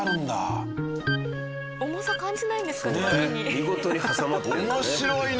見事に挟まってるね。